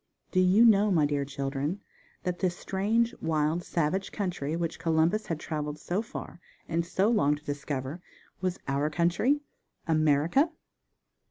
Do you know, my dear children, that this strange, wild savage country which Columbus had traveled so far and so long to discover was _our country, America?